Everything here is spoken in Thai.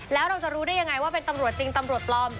แล้วเราจะรู้ได้ยังไงว่าเป็นตำรวจจริงตำรวจปลอม